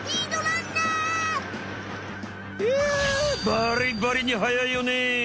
バリバリに速いよね！